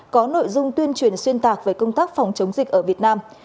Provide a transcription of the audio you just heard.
có nội dung tuyên truyền xuyên tạc về công tác phòng chống dịch ở việt nam